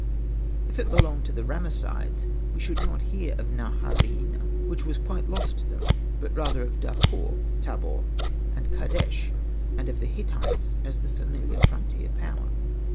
If it belonged to the Ramessides we should not hear of Naharaina, which was quite lost to them, but rather of Dapur (Tabor) and Kadesh, and of the Hittites as the familiar frontier power.